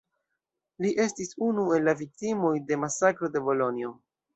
Li estis unu el la viktimoj de masakro de Bolonjo.